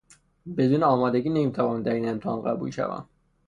بدون آمادگی نمیتوانم در این امتحان قبول شوم.